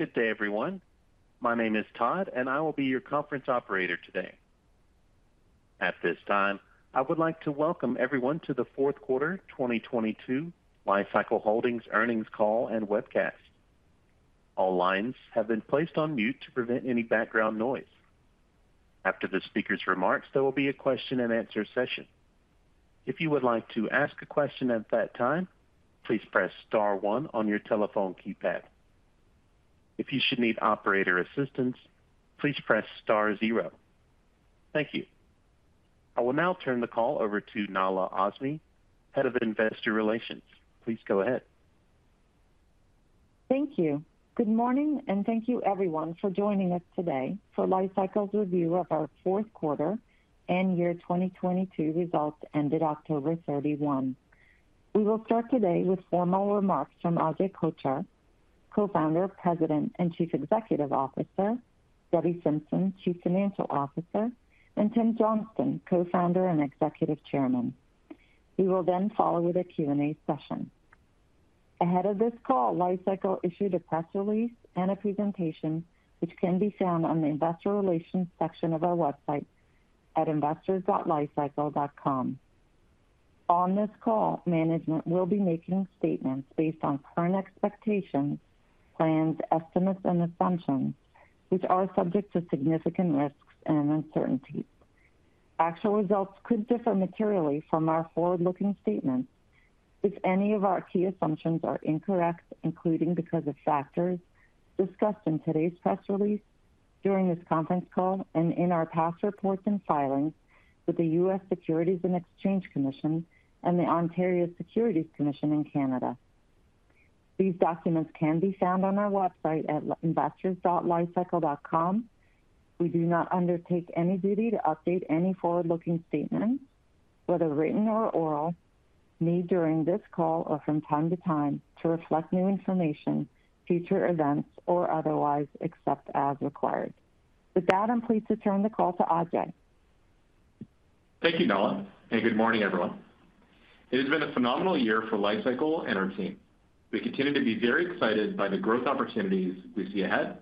Good day, everyone. My name is Todd, and I will be your conference operator today. At this time, I would like to welcome everyone to the Q4 2022 Li-Cycle Holdings Earnings Call and Webcast. All lines have been placed on mute to prevent any background noise. After the speaker's remarks, there will be a question-and-answer session. If you would like to ask a question at that time, please press star one on your telephone keypad. If you should need operator assistance, please press star zero. Thank you. I will now turn the call over to Nahla Azmy, Head of Investor Relations. Please go ahead. Thank you. Good morning, thank you everyone for joining us today for Li-Cycle's review of our Q4 and year 2022 results ended October 31. We will start today with formal remarks from Ajay Kochhar, Co-founder, President, and Chief Executive Officer, Debbie Simpson, Chief Financial Officer, and Tim Johnston, Co-founder and Executive Chairman. We will follow with a Q&A session. Ahead of this call, Li-Cycle issued a press release and a presentation which can be found on the investor relations section of our website at investors.licycle.com. On this call, management will be making statements based on current expectations, plans, estimates, and assumptions, which are subject to significant risks and uncertainties. Actual results could differ materially from our forward-looking statements if any of our key assumptions are incorrect, including because of factors discussed in today's press release, during this conference call, and in our past reports and filings with the U.S. Securities and Exchange Commission and the Ontario Securities Commission in Canada. These documents can be found on our website at investors.li-cycle.com. We do not undertake any duty to update any forward-looking statements, whether written or oral, made during this call or from time to time to reflect new information, future events, or otherwise, except as required. With that, I'm pleased to turn the call to Ajay. Thank you, Nahla. Good morning, everyone. It has been a phenomenal year for Li-Cycle and our team. We continue to be very excited by the growth opportunities we see ahead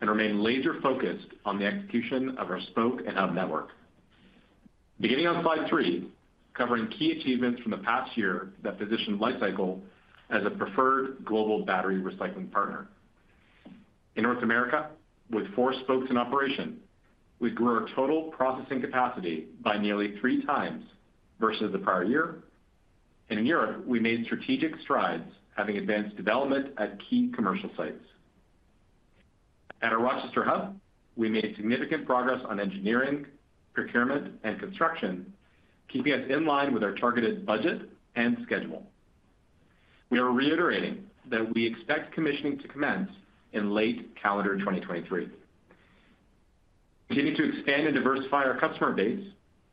and remain laser-focused on the execution of our Spoke & Hub network. Beginning on slide three, covering key achievements from the past year that positioned Li-Cycle as a preferred global battery recycling partner. In North America, with 4 Spokes in operation, we grew our total processing capacity by nearly 3x versus the prior year. In Europe, we made strategic strides, having advanced development at key commercial sites. At our Rochester Hub, we made significant progress on EPC, keeping us in line with our targeted budget and schedule. We are reiterating that we expect commissioning to commence in late calendar 2023. Continuing to expand and diversify our customer base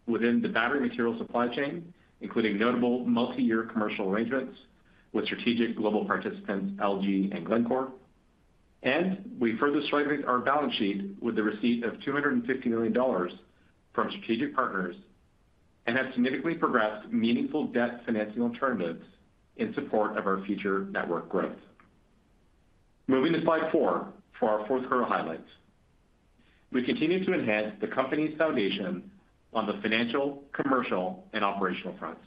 within the battery material supply chain, including notable multi-year commercial arrangements with strategic global participants LG and Glencore. We further strengthen our balance sheet with the receipt of $250 million from strategic partners and have significantly progressed meaningful debt financing alternatives in support of our future network growth. Moving to slide four for our Q4 highlights. We continue to enhance the company's foundation on the financial, commercial, and operational fronts.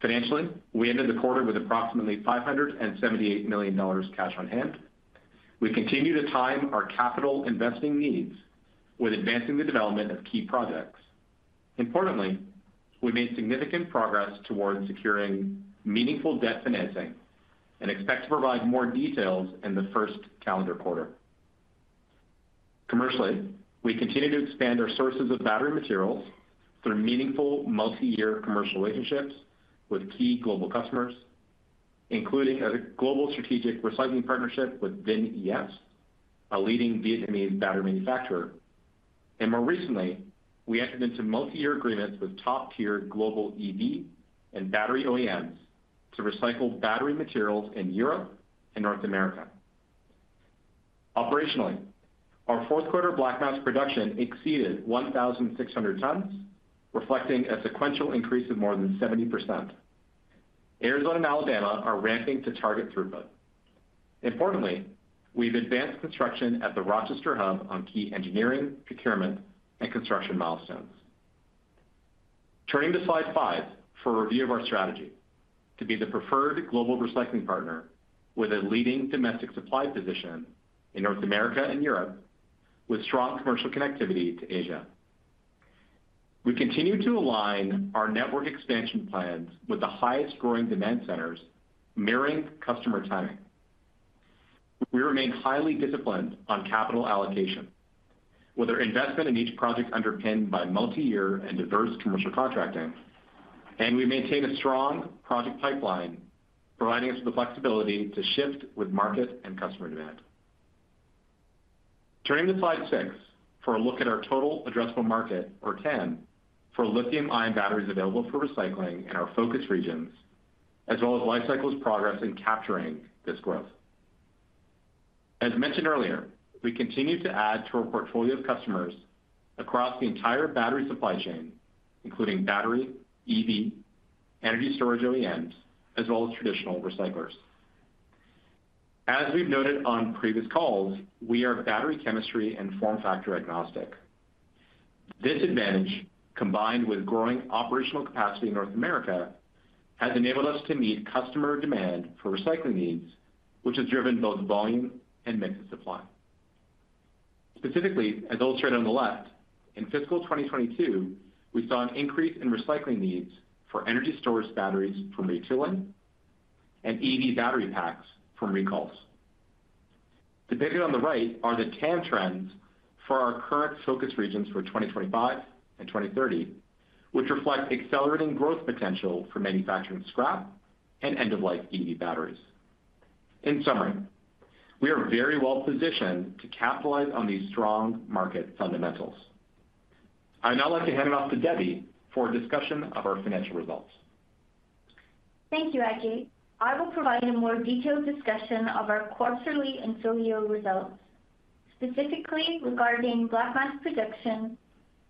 Financially, we ended the quarter with approximately $578 million cash on hand. We continue to time our capital investing needs with advancing the development of key projects. Importantly, we made significant progress towards securing meaningful debt financing and expect to provide more details in the first calendar quarter. Commercially, we continue to expand our sources of battery materials through meaningful multi-year commercial relationships with key global customers, including a global strategic recycling partnership with VinES, a leading Vietnamese battery manufacturer. More recently, we entered into multi-year agreements with top-tier global EV and battery OEMs to recycle battery materials in Europe and North America. Operationally, our Q4 black mass production exceeded 1,600 tons, reflecting a sequential increase of more than 70%. Arizona and Alabama are ramping to target throughput. Importantly, we've advanced construction at the Rochester hub on key engineering, procurement, and construction milestones. Turning to slide five for a review of our strategy to be the preferred global recycling partner with a leading domestic supply position in North America and Europe, with strong commercial connectivity to Asia. We continue to align our network expansion plans with the highest growing demand centers, mirroring customer timing. We remain highly disciplined on capital allocation, with our investment in each project underpinned by multi-year and diverse commercial contracting. We maintain a strong project pipeline, providing us with the flexibility to shift with market and customer demand. Turning to slide six for a look at our total addressable market or TAM for lithium-ion batteries available for recycling in our focus regions, as well as Li-Cycle's progress in capturing this growth. As mentioned earlier, we continue to add to our portfolio of customers across the entire battery supply chain, including battery, EV-Energy storage OEMs, as well as traditional recyclers. As we've noted on previous calls, we are battery chemistry and form factor agnostic. This advantage, combined with growing operational capacity in North America, has enabled us to meet customer demand for recycling needs, which has driven both volume and mix of supply. Specifically, as illustrated on the left, in fiscal 2022, we saw an increase in recycling needs for energy storage batteries from retailing and EV battery packs from recalls. Depicted on the right are the TAM trends for our current focus regions for 2025 and 2030, which reflect accelerating growth potential for manufacturing scrap and end-of-life EV batteries. In summary, we are very well positioned to capitalize on these strong market fundamentals. I'd now like to hand it off to Debbie for a discussion of our financial results. Thank you, Ajay. I will provide a more detailed discussion of our quarterly and full-year results, specifically regarding black mass production,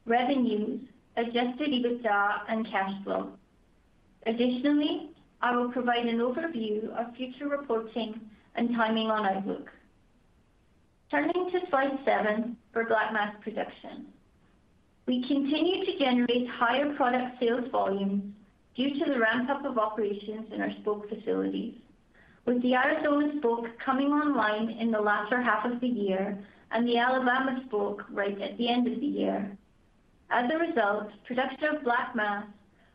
revenues, Adjusted EBITDA and cash flow. I will provide an overview of future reporting and timing on outlook. Turning to slide seven for black mass production. We continue to generate higher product sales volumes due to the ramp-up of operations in our Spoke facilities, with the Arizona Spoke coming online in the latter half of the year and the Alabama Spoke right at the end of the year. Production of black mass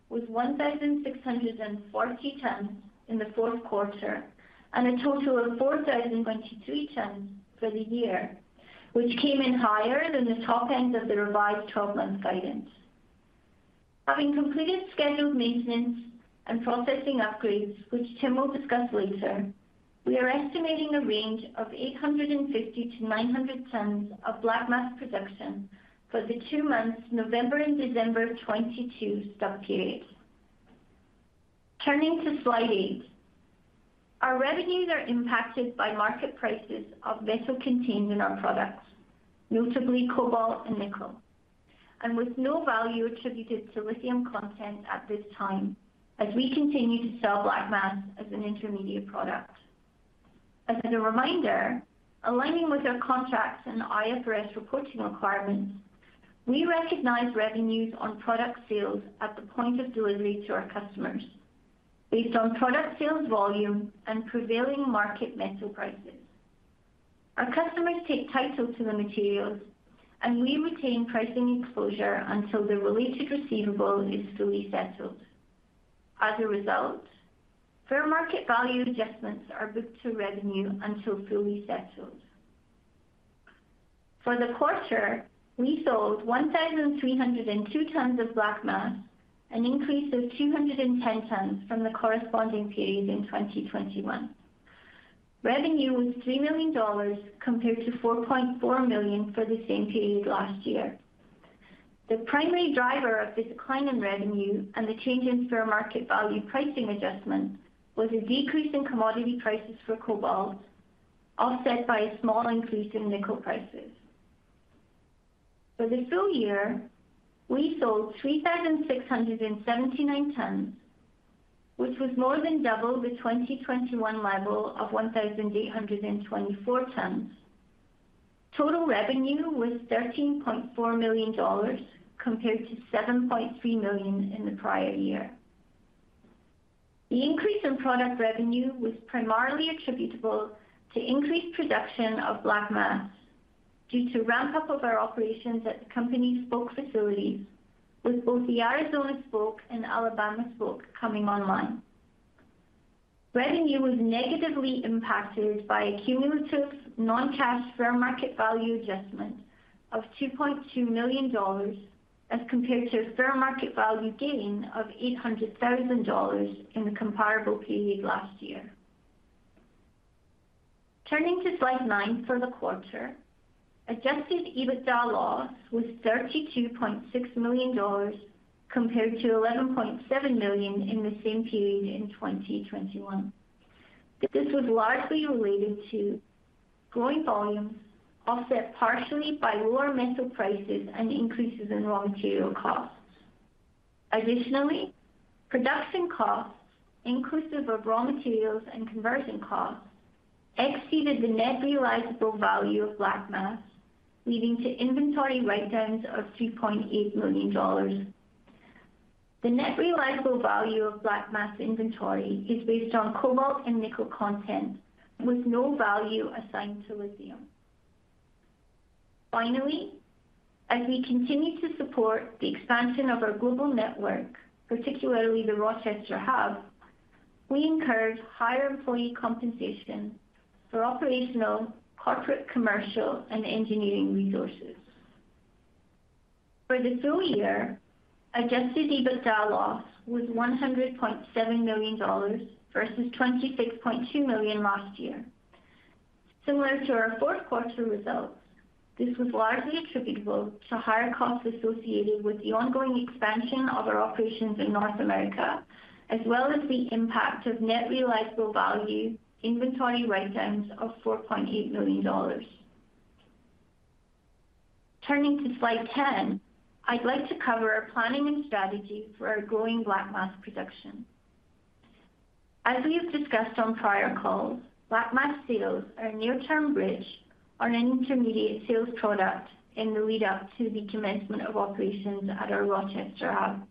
was 1,640 tons in the Q4 and a total of 4,023 tons for the year, which came in higher than the top end of the revised 12-month guidance. Having completed scheduled maintenance and processing upgrades, which Tim will discuss later, we are estimating a range of 850-900 tons of black mass production for the two months November and December of 2022 stub period. Turning to slide eight. Our revenues are impacted by market prices of metal contained in our products, notably cobalt and nickel, and with no value attributed to lithium content at this time as we continue to sell black mass as an intermediate product. As a reminder, aligning with our contracts and IFRS reporting requirements, we recognize revenues on product sales at the point of delivery to our customers based on product sales volume and prevailing market metal prices. Our customers take title to the materials and we retain pricing exposure until the related receivable is fully settled. As a result, fair market value adjustments are booked to revenue until fully settled. For the quarter, we sold 1,302 tons of black mass, an increase of 210 tons from the corresponding period in 2021. Revenue was $3 million compared to $4.4 million for the same period last year. The primary driver of this decline in revenue and the change in fair market value pricing adjustment was a decrease in commodity prices for cobalt, offset by a small increase in nickel prices. For the full year, we sold 3,679 tons, which was more than double the 2021 level of 1,824 tons. Total revenue was $13.4 million compared to $7.3 million in the prior year. The increase in product revenue was primarily attributable to increased production of black mass due to ramp up of our operations at the company Spoke facilities, with both the Arizona Spoke and Alabama Spoke coming online. Revenue was negatively impacted by a cumulative non-cash fair market value adjustment of $2.2 million as compared to a fair market value gain of $800,000 in the comparable period last year. Turning to slide nine for the quarter. Adjusted EBITDA loss was $32.6 million compared to $11.7 million in the same period in 2021. This was largely related to growing volumes offset partially by lower metal prices and increases in raw material costs. Additionally, production costs, inclusive of raw materials and conversion costs, exceeded the net realizable value of black mass, leading to inventory write-downs of $2.8 million. The net realizable value of black mass inventory is based on cobalt and nickel content, with no value assigned to lithium. As we continue to support the expansion of our global network, particularly the Rochester hub, we incurred higher employee compensation for operational, corporate, commercial, and engineering resources. For the full year, Adjusted EBITDA loss was $100.7 million versus $26.2 million last year. Similar to our Q4 results, this was largely attributable to higher costs associated with the ongoing expansion of our operations in North America, as well as the impact of net realizable value inventory write-downs of $4.8 million. Turning to slide 10, I'd like to cover our planning and strategy for our growing black mass production. As we have discussed on prior calls, black mass sales are a near-term bridge on an intermediate sales product in the lead-up to the commencement of operations at our Rochester hub.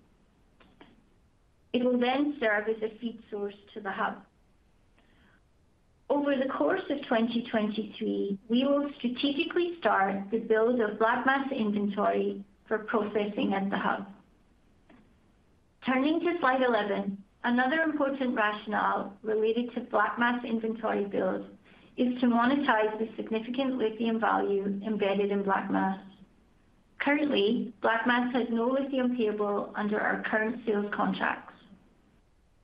It will serve as a feed source to the hub. Over the course of 2023, we will strategically start the build of black mass inventory for processing at the hub. Turning to slide 11, another important rationale related to black mass inventory build is to monetize the significant lithium value embedded in black mass. Currently, black mass has no lithium payable under our current sales contracts.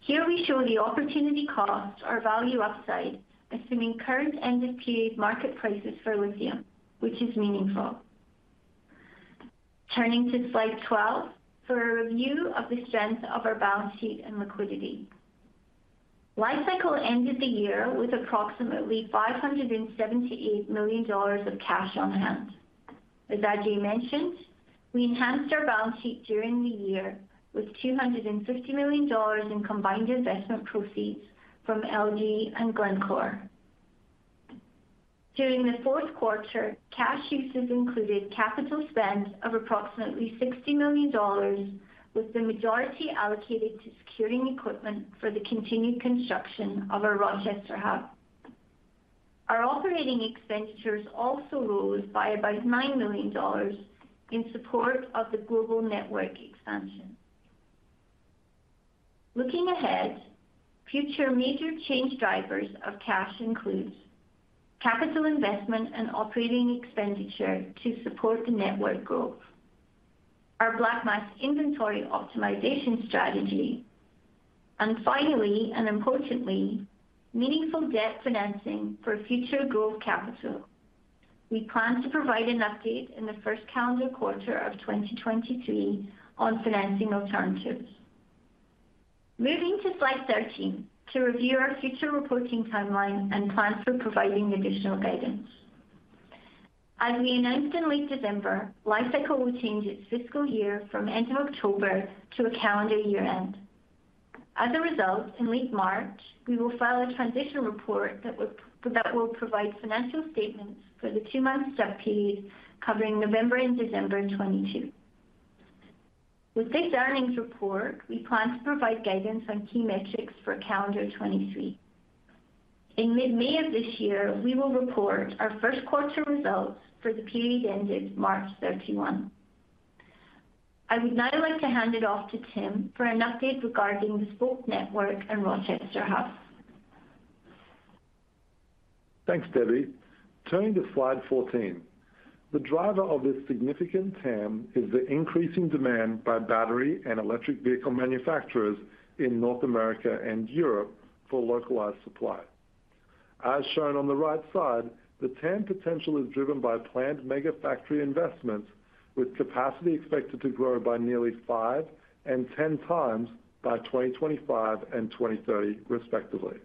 Here we show the opportunity costs or value upside, assuming current end of period market prices for lithium, which is meaningful. Turning to slide 12, for a review of the strength of our balance sheet and liquidity. Li-Cycle ended the year with approximately $578 million of cash on hand. As Ajay mentioned, we enhanced our balance sheet during the year with $250 million in combined investment proceeds from LG and Glencore. During the Q4, cash uses included capital spend of approximately $60 million, with the majority allocated to securing equipment for the continued construction of our Rochester Hub. Our operating expenditures also rose by about $9 million in support of the global network expansion. Looking ahead, future major change drivers of cash includes capital investment and operating expenditure to support the network growth. Our black mass inventory optimization strategy. Finally, and importantly, meaningful debt financing for future growth capital. We plan to provide an update in the first calendar quarter of 2023 on financing alternatives. Moving to slide 13, to review our future reporting timeline and plans for providing additional guidance. As we announced in late December, Li-Cycle will change its fiscal year from end of October to a calendar year end. As a result, in late March, we will file a transition report that will provide financial statements for the two-month sub-period covering November and December 2022. With this earnings report, we plan to provide guidance on key metrics for calendar 2023. In mid-May of this year, we will report our Q1 results for the period ended March 31. I would now like to hand it off to Tim for an update regarding the Spoke network and Rochester Hub. Thanks, Debbie. Turning to slide 14. The driver of this significant TAM is the increasing demand by battery and electric vehicle manufacturers in North America and Europe for localized supply. As shown on the right side, the TAM potential is driven by planned megafactory investments, with capacity expected to grow by nearly 5x and 10x by 2025 and 2030 respectively.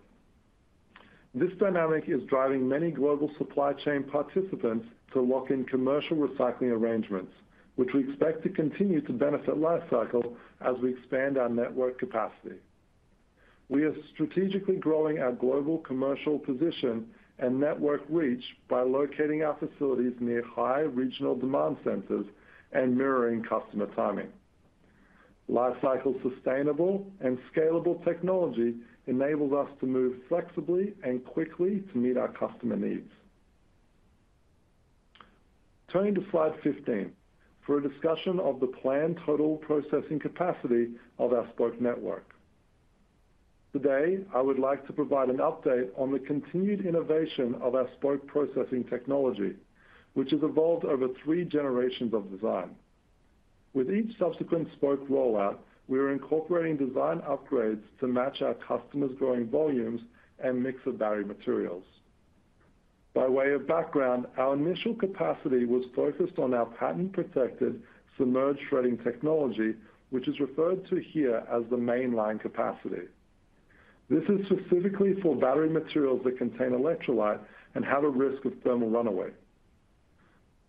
This dynamic is driving many global supply chain participants to lock in commercial recycling arrangements, which we expect to continue to benefit Li-Cycle as we expand our network capacity. We are strategically growing our global commercial position and network reach by locating our facilities near high regional demand centers and mirroring customer timing. Li-Cycle's sustainable and scalable technology enables us to move flexibly and quickly to meet our customer needs. Turning to slide 15, for a discussion of the planned total processing capacity of our Spoke network. Today, I would like to provide an update on the continued innovation of our Spoke processing technology, which has evolved over three generations of design. With each subsequent Spoke rollout, we are incorporating design upgrades to match our customers' growing volumes and mix of battery materials. By way of background, our initial capacity was focused on our patent-protected Submerged Shredding technology, which is referred to here as the mainline capacity. This is specifically for battery materials that contain electrolyte and have a risk of thermal runaway.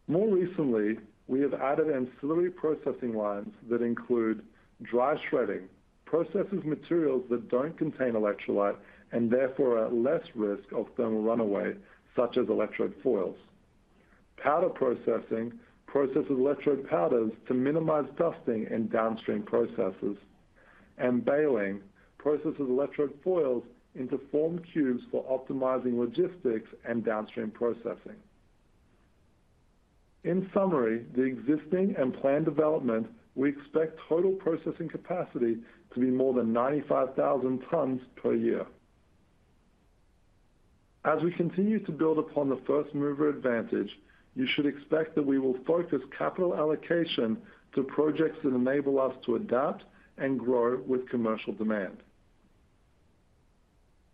More recently, we have added ancillary processing lines that include dry shredding, processes materials that don't contain electrolyte and therefore are at less risk of thermal runaway, such as electrode foils. Powder processing processes electrode powders to minimize dusting in downstream processes, and baling processes electrode foils into formed cubes for optimizing logistics and downstream processing. In summary, the existing and planned development, we expect total processing capacity to be more than 95,000 tons per year. As we continue to build upon the first-mover advantage, you should expect that we will focus capital allocation to projects that enable us to adapt and grow with commercial demand.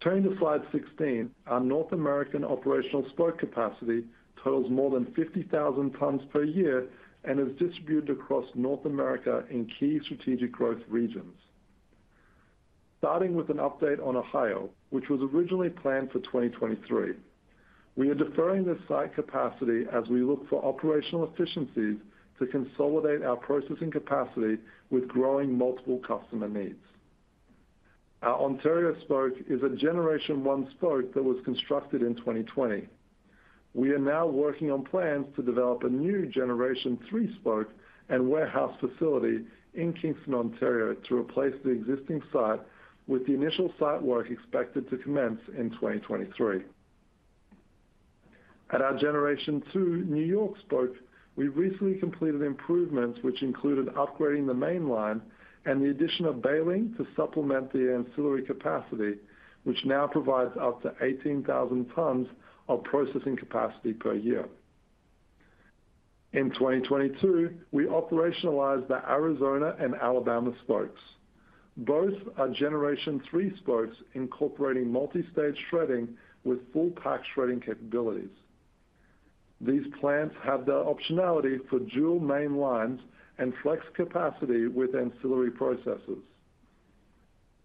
Turning to slide 16, our North American operational Spoke capacity totals more than 50,000 tons per year and is distributed across North America in key strategic growth regions. Starting with an update on Ohio, which was originally planned for 2023. We are deferring this site capacity as we look for operational efficiencies to consolidate our processing capacity with growing multiple customer needs. Our Ontario Spoke is a Generation 1 Spoke that was constructed in 2020. We are now working on plans to develop a new Generation 3 Spoke and warehouse facility in Kingston, Ontario, to replace the existing site with the initial site work expected to commence in 2023. At our Generation 2 New York Spoke, we recently completed improvements which included upgrading the mainline and the addition of baling to supplement the ancillary capacity, which now provides up to 18,000 tons of processing capacity per year. In 2022, we operationalized the Arizona and Alabama Spokes. Both are Generation 3 Spokes incorporating multi-stage shredding with full pack shredding capabilities. These plants have the optionality for dual main lines and flex capacity with ancillary processes.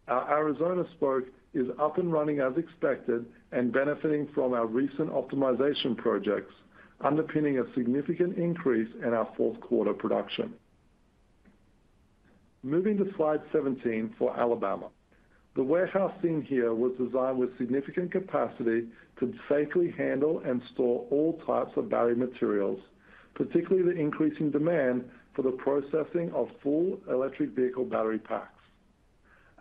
Our Arizona Spoke is up and running as expected and benefiting from our recent optimization projects, underpinning a significant increase in our Q4 production. Moving to slide 17 for Alabama. The warehouse seen here was designed with significant capacity to safely handle and store all types of battery materials, particularly the increasing demand for the processing of full electric vehicle battery packs.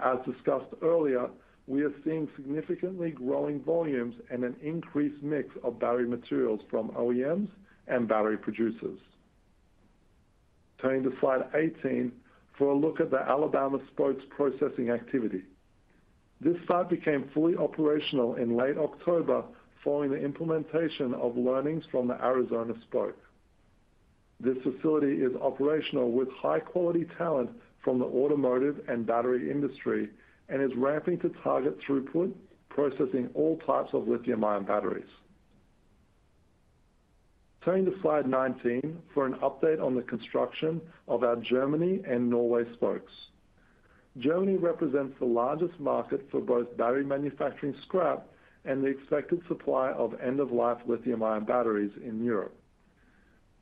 As discussed earlier, we are seeing significantly growing volumes and an increased mix of battery materials from OEMs and battery producers. Turning to slide 18 for a look at the Alabama Spoke's processing activity. This site became fully operational in late October following the implementation of learnings from the Arizona Spoke. This facility is operational with high-quality talent from the automotive and battery industry and is ramping to target throughput, processing all types of lithium-ion batteries. Turning to slide 19 for an update on the construction of our Germany and Norway Spokes. Germany represents the largest market for both battery manufacturing scrap and the expected supply of end-of-life lithium-ion batteries in Europe.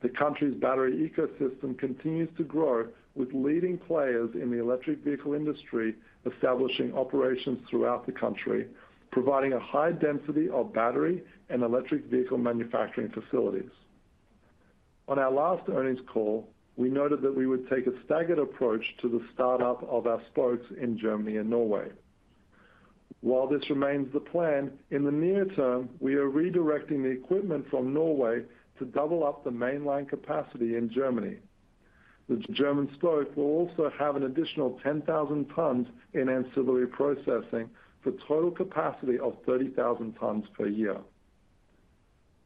The country's battery ecosystem continues to grow, with leading players in the electric vehicle industry establishing operations throughout the country, providing a high density of battery and electric vehicle manufacturing facilities. On our last earnings call, we noted that we would take a staggered approach to the startup of our Spokes in Germany and Norway. While this remains the plan, in the near term, we are redirecting the equipment from Norway to double up the mainline capacity in Germany. The German Spoke will also have an additional 10,000 tons in ancillary processing for total capacity of 30,000 tons per year.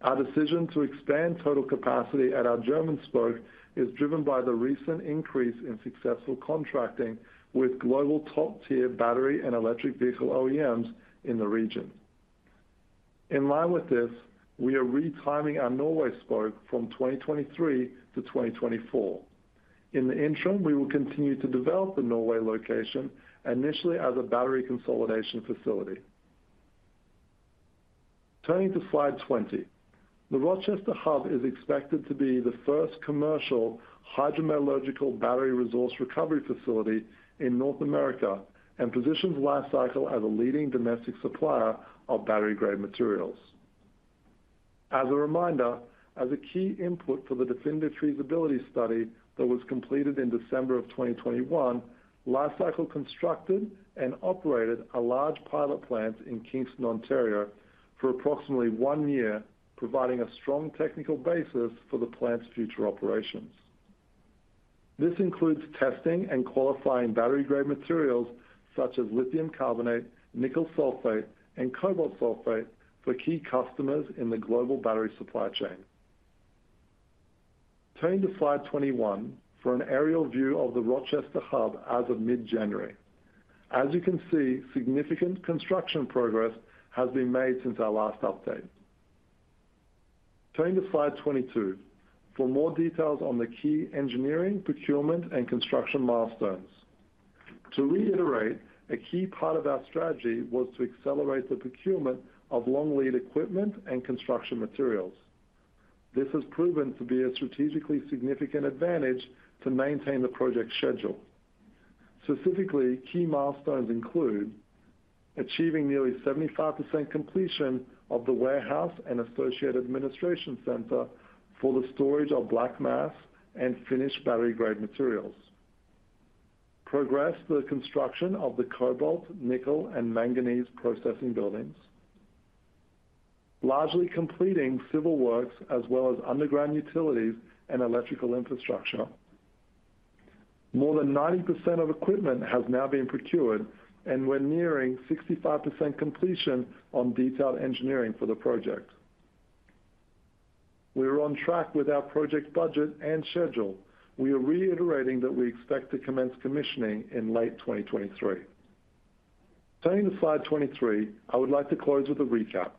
Our decision to expand total capacity at our German Spoke is driven by the recent increase in successful contracting with global top-tier battery and electric vehicle OEMs in the region. In line with this, we are retiming our Norway Spoke from 2023 to 2024. In the interim, we will continue to develop the Norway location, initially as a battery consolidation facility. Turning to slide 20. The Rochester Hub is expected to be the first commercial hydrometallurgical battery resource recovery facility in North America and positions Li-Cycle as a leading domestic supplier of battery-grade materials. As a reminder, as a key input for the Definitive feasibility study that was completed in December of 2021, Li-Cycle constructed and operated a large pilot plant in Kingston, Ontario, for approximately one year, providing a strong technical basis for the plant's future operations. This includes testing and qualifying battery-grade materials such as lithium carbonate, nickel sulfate, and cobalt sulfate for key customers in the global battery supply chain. Turning to slide 21 for an aerial view of the Rochester Hub as of mid-January. As you can see, significant construction progress has been made since our last update. Turning to slide 22 for more details on the key engineering, procurement, and construction milestones. To reiterate, a key part of our strategy was to accelerate the procurement of long-lead equipment and construction materials. This has proven to be a strategically significant advantage to maintain the project schedule. Specifically, key milestones include, achieving nearly 75% completion of the warehouse and associated administration center for the storage of black mass and finished battery-grade materials. Progress the construction of the cobalt, nickel, and manganese processing buildings. Largely completing civil works as well as underground utilities and electrical infrastructure. More than 90% of equipment has now been procured, and we're nearing 65% completion on detailed engineering for the project. We are on track with our project budget and schedule. We are reiterating that we expect to commence commissioning in late 2023. Turning to slide 23, I would like to close with a recap.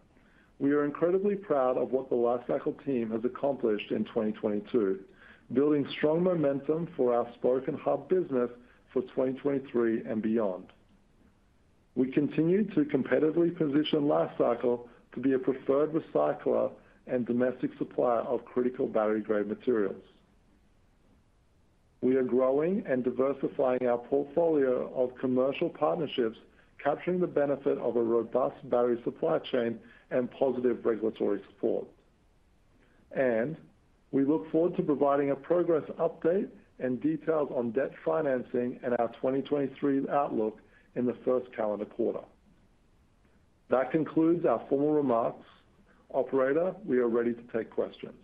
We are incredibly proud of what the Li-Cycle team has accomplished in 2022, building strong momentum for our Spoke & Hub business for 2023 and beyond. We continue to competitively position Li-Cycle to be a preferred recycler and domestic supplier of critical battery-grade materials. We are growing and diversifying our portfolio of commercial partnerships, capturing the benefit of a robust battery supply chain and positive regulatory support. We look forward to providing a progress update and details on debt financing and our 2023 outlook in the first calendar quarter. That concludes our formal remarks. Operator, we are ready to take questions.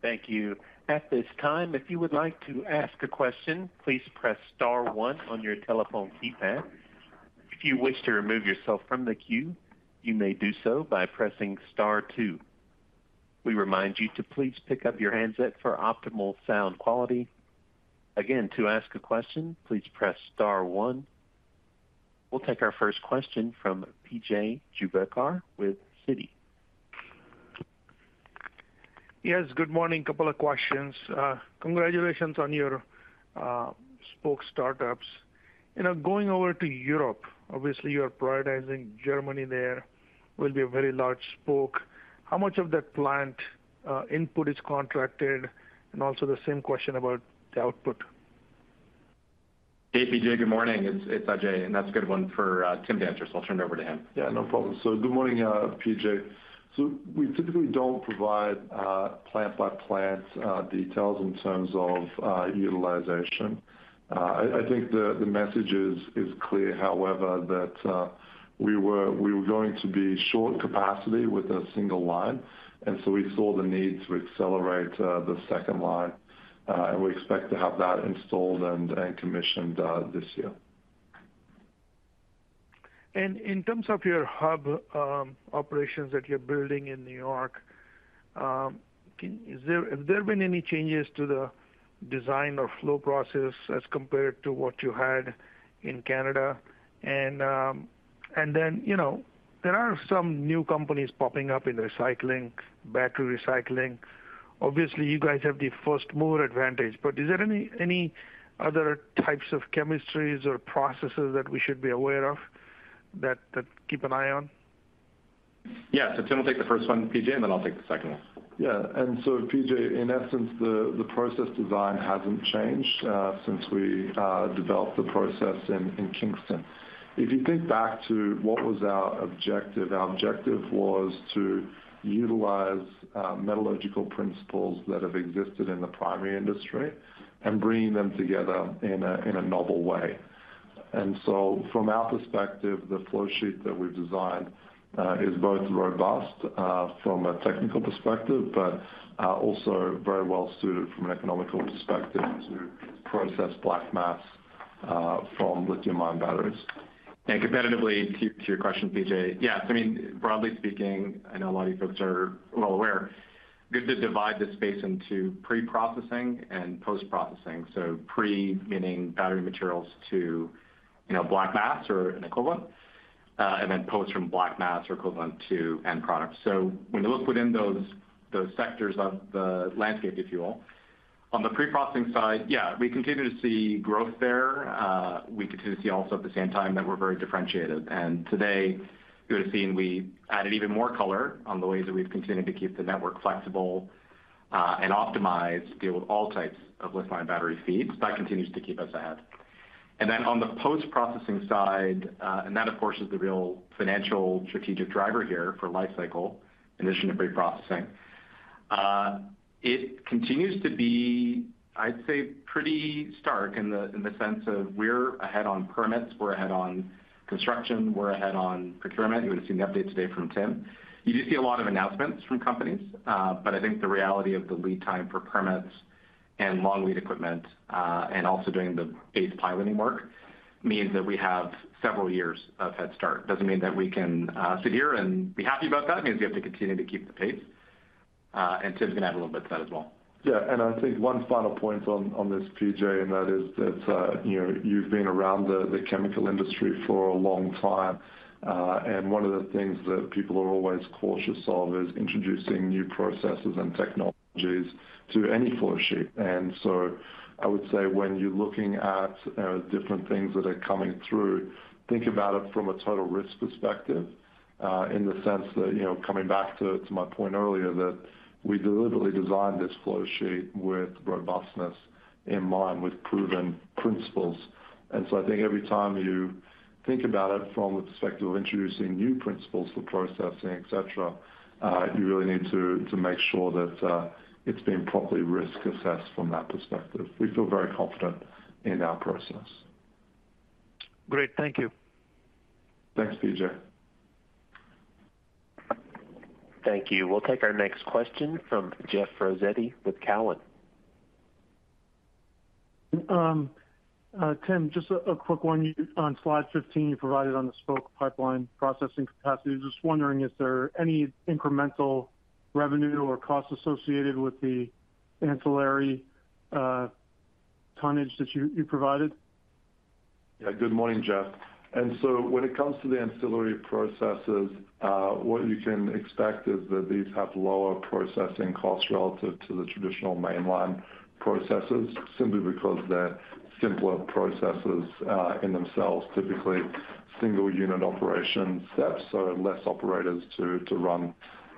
Thank you. At this time, if you would like to ask a question, please press star one on your telephone keypad. If you wish to remove yourself from the queue, you may do so by pressing star two. We remind you to please pick up your handset for optimal sound quality. Again, to ask a question, please press star one. We'll take our first question from P.J. Juvekar with Citi. Yes, good morning. A couple of questions. Congratulations on your Spoke startups. You know, going over to Europe, obviously, you are prioritizing Germany there, will be a very large Spoke. How much of that plant input is contracted? Also the same question about the output. Hey, P.J. Good morning. It's Ajay, and that's a good one for Tim Johnston, so I'll turn it over to him. Good morning, PJ. We typically don't provide plant-by-plant details in terms of utilization. I think the message is clear, however, that we were going to be short capacity with a single line, and so we saw the need to accelerate the second line, and we expect to have that installed and commissioned this year. In terms of your hub operations that you're building in New York, have there been any changes to the design or flow process as compared to what you had in Canada? You know, there are some new companies popping up in recycling, battery recycling. Obviously, you guys have the first mover advantage. Is there any other types of chemistries or processes that we should be aware of that keep an eye on? Yeah. Tim will take the first one, P.J., and then I'll take the second one. Yeah. P.J., in essence, the process design hasn't changed since we developed the process in Kingston. If you think back to what was our objective, our objective was to utilize metallurgical principles that have existed in the primary industry and bringing them together in a novel way. From our perspective, the flow sheet that we've designed is both robust from a technical perspective, but also very well suited from an economical perspective to process black mass from lithium-ion batteries. Competitively, to your question, P.J. Yes. I mean, broadly speaking, I know a lot of you folks are well aware, good to divide this space into pre-processing and post-processing. Pre, meaning battery materials to, you know, black mass or an equivalent, and then post from black mass or equivalent to end product. When you look within those sectors of the landscape, if you will, on the pre-processing side, we continue to see growth there. We continue to see also at the same time that we're very differentiated. Today, you would have seen we added even more color on the ways that we've continued to keep the network flexible, and optimized to deal with all types of lithium-ion battery feeds. That continues to keep us ahead. On the post-processing side, and that of course, is the real financial strategic driver here for Li-Cycle in addition to pre-processing. It continues to be, I'd say, pretty stark in the sense of we're ahead on permits, we're ahead on construction, we're ahead on procurement. You would have seen the update today from Tim. You do see a lot of announcements from companies, I think the reality of the lead time for permits and long lead equipment, and also doing the base piloting work means that we have several years of head start. Doesn't mean that we can sit here and be happy about that. It means we have to continue to keep the pace. Tim's going to add a little bit to that as well. Yeah. I think one final point on this, P.J., and that is that, you know, you've been around the chemical industry for a long time, and one of the things that people are always cautious of is introducing new processes and technologies to any flow sheet. I would say when you're looking at, different things that are coming through, think about it from a total risk perspective, in the sense that, you know, coming back to my point earlier, that we deliberately designed this flow sheet with robustness in mind, with proven principles. I think every time you think about it from the perspective of introducing new principles for processing, et cetera, you really need to make sure that, it's been properly risk assessed from that perspective. We feel very confident in our process. Great. Thank you. Thanks, P.J. Thank you. We'll take our next question from Jeffrey Osborne with Cowen. Tim, just a quick one. On slide 15, you provided on the Spoke pipeline processing capacity. Just wondering, is there any incremental revenue or cost associated with the ancillary tonnage that you provided? Yeah. Good morning, Jeff. When it comes to the ancillary processes, what you can expect is that these have lower processing costs relative to the traditional mainline processes, simply because they're simpler processes in themselves, typically single unit operation steps, so less operators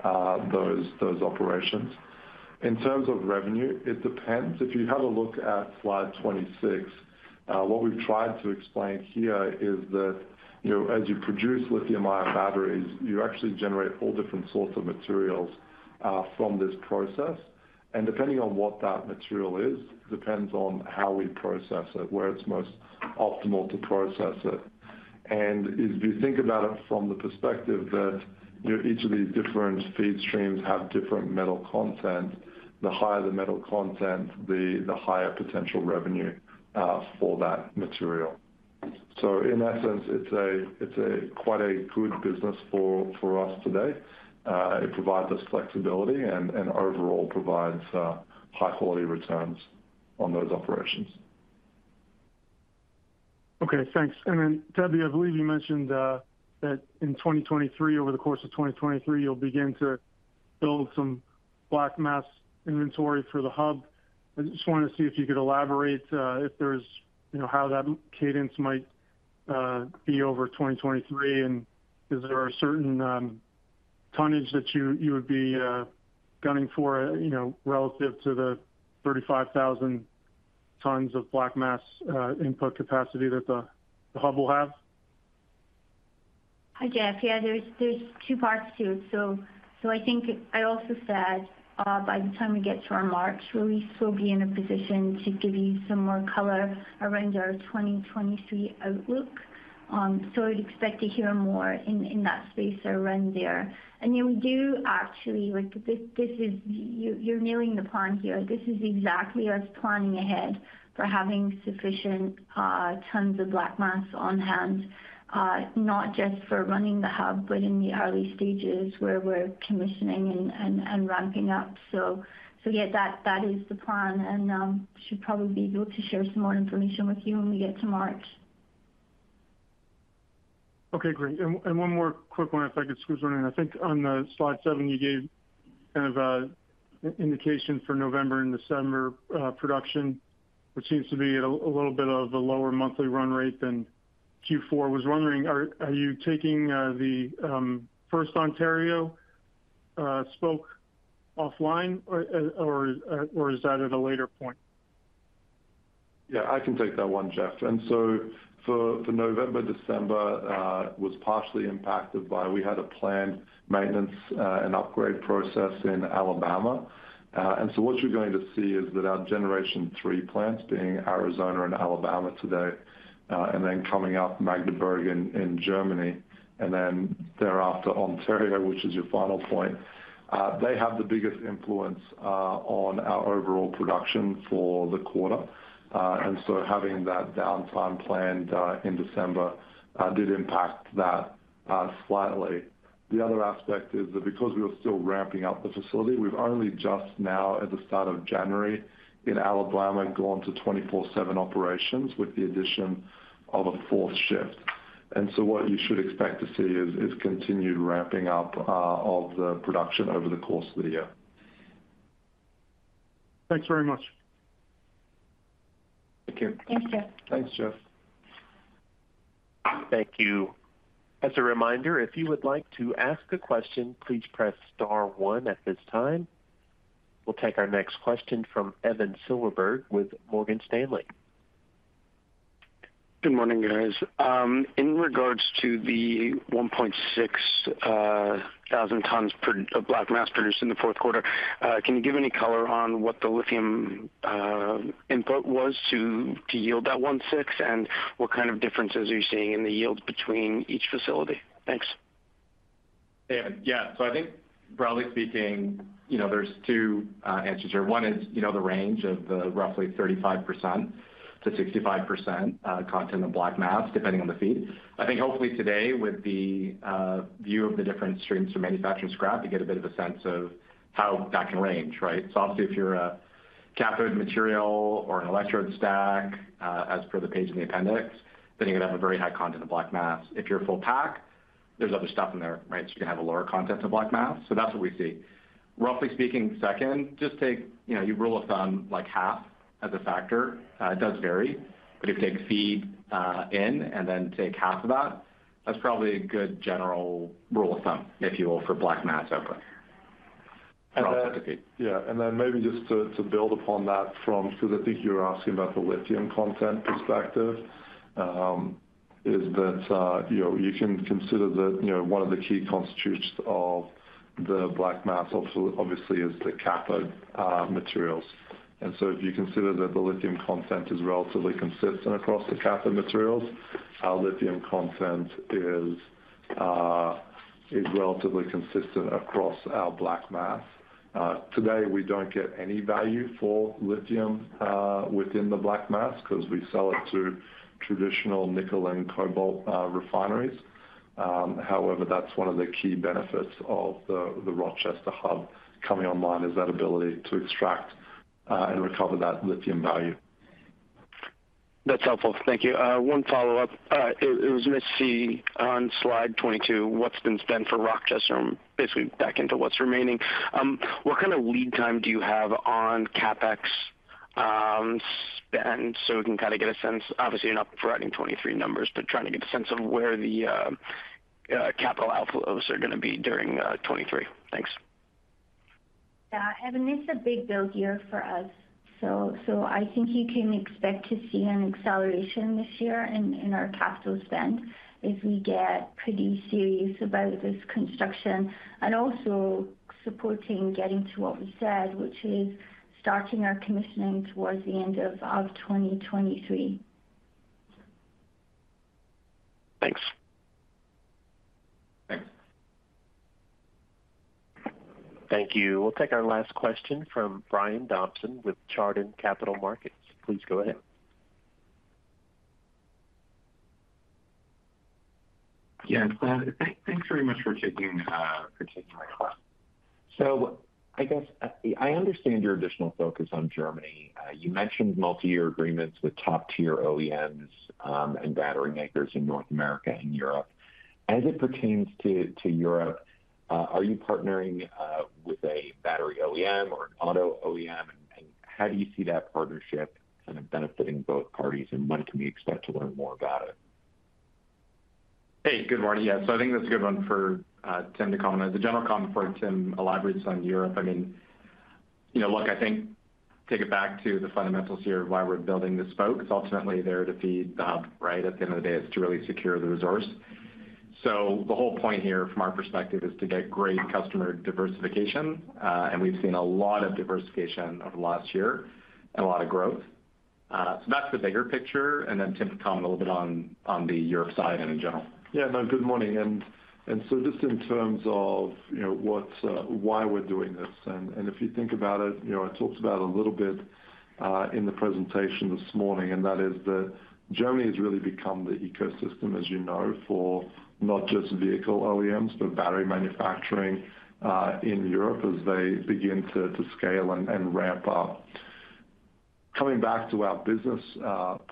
to run those operations. In terms of revenue, it depends. If you have a look at slide 26, what we've tried to explain here is that, you know, as you produce lithium-ion batteries, you actually generate all different sorts of materials from this process. Depending on what that material is, depends on how we process it, where it's most optimal to process it. If you think about it from the perspective that, you know, each of these different feed streams have different metal content, the higher the metal content, the higher potential revenue for that material. In that sense, it's a quite a good business for us today. It provides us flexibility and overall provides high quality returns on those operations. Okay, thanks. Debbie, I believe you mentioned, that in 2023, over the course of 2023, you'll begin to build some black mass inventory through the Hub. I just wanted to see if you could elaborate, if there's, you know, how that cadence might be over 2023. Is there a certain tonnage that you would be gunning for, you know, relative to the 35,000 tons of black mass input capacity that the Hub will have? Hi, Jeff. Yeah, there's two parts to it. I think I also said, by the time we get to our March release, we'll be in a position to give you some more color around our 2023 outlook. You'd expect to hear more in that space around there. Then we do actually. Like, this is. You're nailing the plan here. This is exactly us planning ahead for having sufficient tons of black mass on hand, not just for running the hub, but in the early stages where we're commissioning and ramping up. Yeah, that is the plan, and should probably be able to share some more information with you when we get to March. Okay, great. One more quick one if I could squeeze one in. I think on the slide seven, you gave an indication for November and December, production, which seems to be at a little bit of a lower monthly run rate than Q4. Was wondering, are you taking, the, first Ontario, Spoke offline or is that at a later point? Yeah, I can take that one, Jeff. So for November, December, was partially impacted by we had a planned maintenance and upgrade process in Alabama. So what you're going to see is that our Generation 3 plants, being Arizona and Alabama today, then coming up Magdeburg in Germany and then thereafter Ontario, which is your final point, they have the biggest influence on our overall production for the quarter. So having that downtime planned in December, did impact that slightly. The other aspect is that because we are still ramping up the facility, we've only just now, at the start of January in Alabama, gone to 24/7 operations with the addition of a fourth shift. What you should expect to see is continued ramping up of the production over the course of the year. Thanks very much. Thank you. Thanks, Jeff. Thanks, Jeff. Thank you. As a reminder, if you would like to ask a question, please press star one at this time. We'll take our next question from Evan Silverberg with Morgan Stanley. Good morning, guys. In regards to the 1,600 tons per, of black mass produced in the Q4, can you give any color on what the lithium input was to yield that 1.6, and what differences are you seeing in the yields between each facility? Thanks. Evan, yeah. I think broadly speaking, you know, there's two answers here. One is, you know, the range of the roughly 35%-65% content of black mass, depending on the feed. I think hopefully today, with the view of the different streams from manufacturing scrap, you get a bit of a sense of how that can range, right? Obviously if you're a cathode material or an electrode stack, as per the page in the appendix, then you're going to have a very high content of black mass. If you're a full pack, there's other stuff in there, right? You're going to have a lower content of black mass. That's what we see. Roughly speaking second, just take, you know, your rule of thumb, like half as a factor. It does vary, but if you take feed, in and then take half of that's probably a good general rule of thumb, if you will, for black mass output. And then- Roughly speaking. Yeah. Then maybe just to build upon that because I think you're asking about the lithium content perspective, is that, you know, you can consider that, you know, one of the key constitutes of the black mass also obviously is the cathode materials. If you consider that the lithium content is relatively consistent across the cathode materials, our lithium content is relatively consistent across our black mass. Today, we don't get any value for lithium within the black mass 'cause we sell it to traditional nickel and cobalt refineries. However, that's one of the key benefits of the Rochester Hub coming online, is that ability to extract and recover that lithium value. That's helpful. Thank you. One follow-up. It was missed, see on slide 22: what's been spent for Rochester and basically back into what's remaining? What lead time do you have on CapEx spend so we can get a sense? Obviously, you're not providing 2023 numbers, but trying to get a sense of where the capital outflows are going to be during 2023. Thanks. Evan, it's a big build year for us. I think you can expect to see an acceleration this year in our capital spend as we get pretty serious about this construction and also supporting getting to what we said, which is starting our commissioning towards the end of 2023. Thanks. Thanks. Thank you. We'll take our last question from Brian Dobson with Chardan Capital Markets. Please go ahead. Yeah. Thanks very much for taking, for taking my call. I guess, I understand your additional focus on Germany. You mentioned multi-year agreements with top-tier OEMs, and battery makers in North America and Europe. As it pertains to Europe, are you partnering with a battery OEM or an auto OEM? How do you see that partnership benefiting both parties, and when can we expect to learn more about it? Hey, good morning. Yeah. I think that's a good one for Tim to comment. As a general comment before Tim elaborates on Europe, I mean, you know, look, I think take it back to the fundamentals here of why we're building this Spoke. It's ultimately there to feed the Hub, right? At the end of the day, it's to really secure the resource. The whole point here from our perspective is to get great customer diversification. We've seen a lot of diversification over the last year and a lot of growth. That's the bigger picture. Then Tim can comment a little bit on the Europe side and in general. Yeah. No, good morning. Just in terms of, you know, what's... why we're doing this. If you think about it, you know, I talked about a little bit in the presentation this morning. That is that Germany has really become the ecosystem, as you know, for not just vehicle OEMs, but battery manufacturing in Europe as they begin to scale and ramp up. Coming back to our business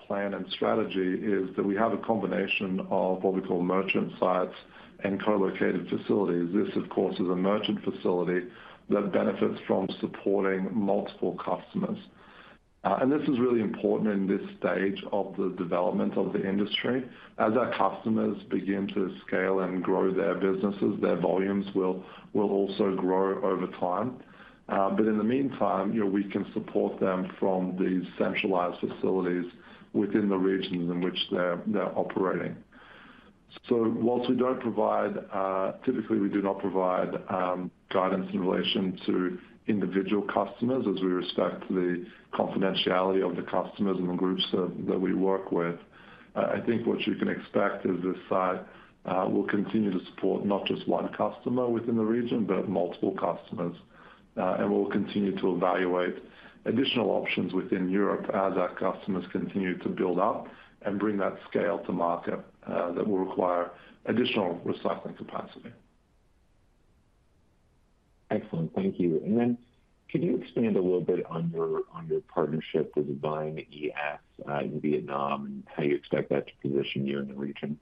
plan and strategy is that we have a combination of what we call merchant sites and co-located facilities. This, of course, is a merchant facility that benefits from supporting multiple customers. This is really important in this stage of the development of the industry. As our customers begin to scale and grow their businesses, their volumes will also grow over time. In the meantime, you know, we can support them from these centralized facilities within the regions in which they're operating. Whilst we don't provide, typically, we do not provide guidance in relation to individual customers as we respect the confidentiality of the customers and the groups that we work with. I think what you can expect is this site will continue to support not just one customer within the region, but multiple customers. We'll continue to evaluate additional options within Europe as our customers continue to build up and bring that scale to market that will require additional recycling capacity. Excellent. Thank you. Then could you expand a little bit on your partnership with VinES in Vietnam and how you expect that to position you in the region?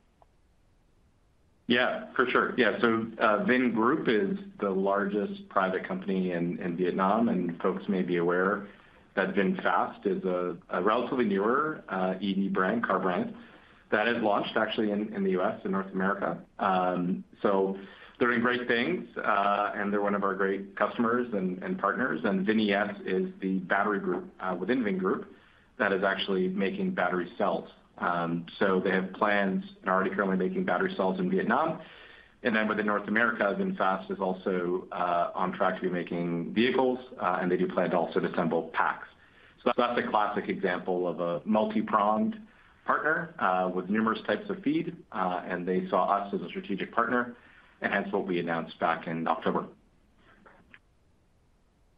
Yeah, for sure. Yeah. Vingroup is the largest private company in Vietnam, and folks may be aware that VinFast is a relatively newer EV brand, car brand that has launched actually in the U.S. and North America. They're doing great things, and they're one of our great customers and partners. VinES is the battery group within Vingroup that is actually making battery cells. They have plans and are already currently making battery cells in Vietnam. Within North America, VinFast is also on track to be making vehicles, and they do plan to also assemble packs. That's a classic example of a multi-pronged partner with numerous types of feed. They saw us as a strategic partner, and hence what we announced back in October.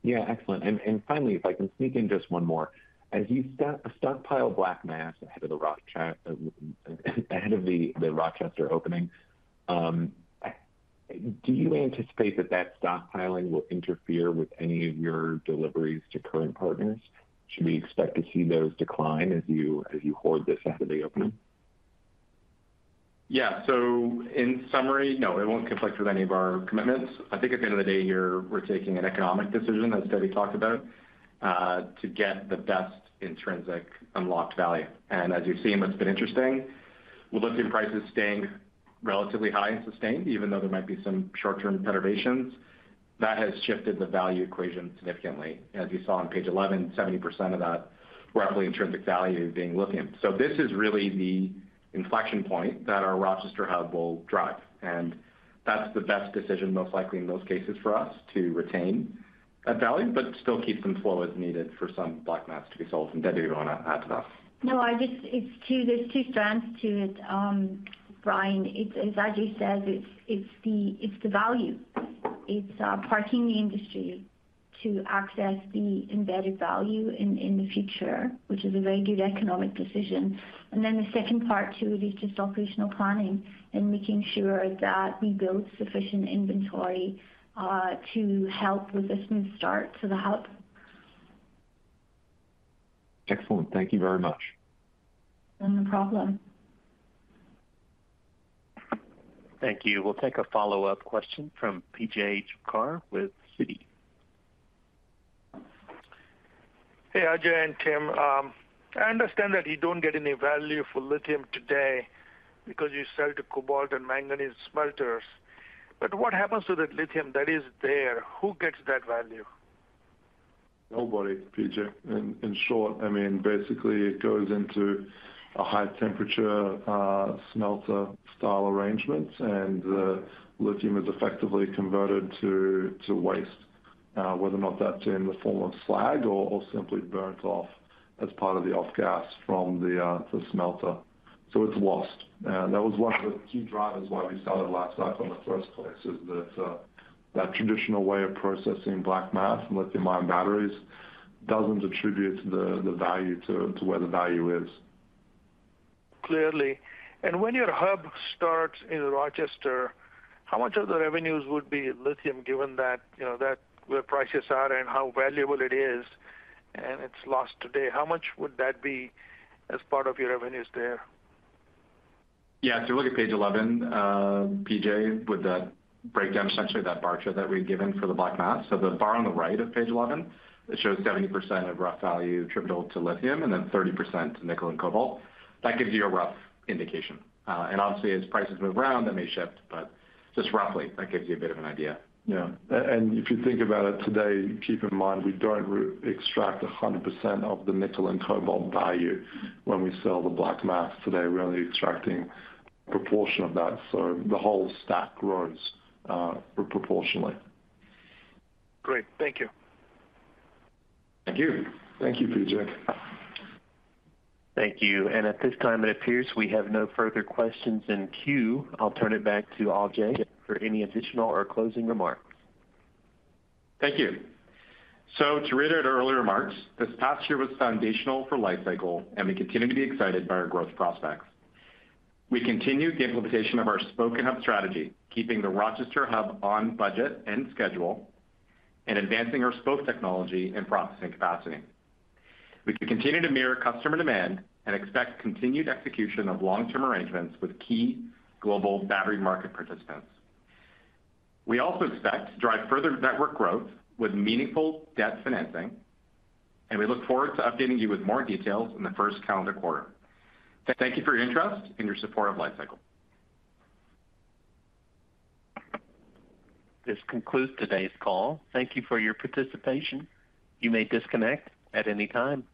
Yeah, excellent. Finally, if I can sneak in just one more. As you stockpile black mass ahead of the Rochester opening, do you anticipate that that stockpiling will interfere with any of your deliveries to current partners? Should we expect to see those decline as you hoard this ahead of the opening? Yeah. In summary, no, it won't conflict with any of our commitments. I think at the end of the day here, we're taking an economic decision, as Debbie talked about, to get the best intrinsic unlocked value. As you've seen, what's been interesting, with lithium prices staying relatively high and sustained, even though there might be some short-term perturbations, that has shifted the value equation significantly. As you saw on page 11, 70% of that roughly intrinsic value being lithium. This is really the inflection point that our Rochester Hub will drive, and that's the best decision most likely in those cases for us to retain that value but still keep some flow as needed for some black mass to be sold. Debbie, you want to add to that? No, I just... It's two, there's two strands to it, Brian. It's, as Ajay says, it's the value. It's parking the industry to access the embedded value in the future, which is a very good economic decision. The second part too is just operational planning and making sure that we build sufficient inventory to help with a smooth start to the hub. Excellent. Thank you very much. No problem. Thank you. We'll take a follow-up question from P.J. Juvekar with Citi. Hey, Ajay and Tim. I understand that you don't get any value for lithium today because you sell to cobalt and manganese smelters. What happens to the lithium that is there? Who gets that value? Nobody, P.J., in short. I mean, basically, it goes into a high temperature smelter style arrangement, and the lithium is effectively converted to waste, whether or not that's in the form of slag or simply burnt off as part of the off gas from the smelter. So it's lost. That was one of the key drivers why we started Li-Cycle in the first place, is that traditional way of processing black mass and lithium-ion batteries doesn't attribute the value to where the value is. Clearly. When your hub starts in Rochester, how much of the revenues would be lithium given that, you know, where prices are and how valuable it is and it's lost today? How much would that be as part of your revenues there? Yeah. If you look at page 11, P.J., with that breakdown, essentially that bar chart that we've given for the black mass. The bar on the right of page 11, it shows 70% of rough value attributable to lithium and then 30% to nickel and cobalt. That gives you a rough indication. Obviously as prices move around, that may shift, just roughly that gives you a bit of an idea. Yeah. If you think about it today, keep in mind, we don't extract 100% of the nickel and cobalt value when we sell the black mass. Today, we're only extracting a proportion of that, so the whole stack grows proportionally. Great. Thank you. Thank you. Thank you, P.J. Thank you. At this time, it appears we have no further questions in queue. I'll turn it back to Ajay for any additional or closing remarks. Thank you. To reiterate our earlier remarks, this past year was foundational for Li-Cycle, and we continue to be excited by our growth prospects. We continue the implementation of our Spoke & Hub strategy, keeping the Rochester hub on budget and schedule, and advancing our Spoke technology and processing capacity. We can continue to mirror customer demand and expect continued execution of long-term arrangements with key global battery market participants. We also expect to drive further network growth with meaningful debt financing, and we look forward to updating you with more details in the first calendar quarter. Thank you for your interest and your support of Li-Cycle. This concludes today's call. Thank you for your participation. You may disconnect at any time.